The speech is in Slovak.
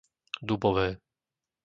Dubové